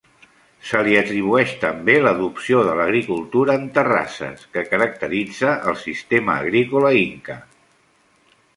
Se li atribueix també l'adopció de l’agricultura en terrasses, que caracteritza el sistema agrícola inca.